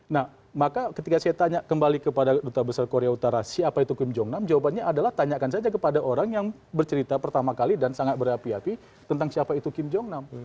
nah maka ketika saya tanya kembali kepada duta besar korea utara siapa itu kim jong nam jawabannya adalah tanyakan saja kepada orang yang bercerita pertama kali dan sangat berapi api tentang siapa itu kim jong nam